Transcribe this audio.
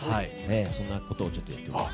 そんなことをちょっとやってみます。